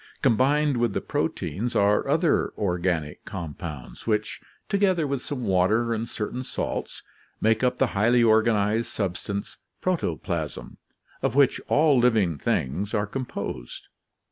Combined with the proteins are other "organic" compounds, which, together with some water and certain salts, make up the highly organized substance, protoplasm, of which all living things are composed.